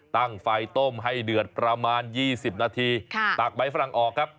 ตั้งไฟต้มให้เดือดประมาณ๒๐นาทีตากใบฝรั่งออกครับ